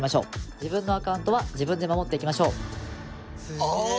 自分のアカウントは自分で守っていきましょう。